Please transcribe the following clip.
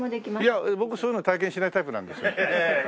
いや僕そういうのは体験しないタイプなんですよ。